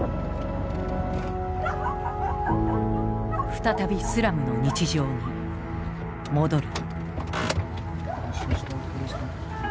再びスラムの日常に戻る。